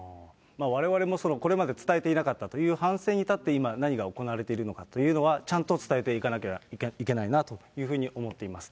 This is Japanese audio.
われわれもこれまで伝えていなかったという反省に立って、今、何が行われているのかというのは、ちゃんと伝えていかなきゃいけないなというふうに思っています。